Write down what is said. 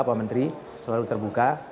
pak menteri selalu terbuka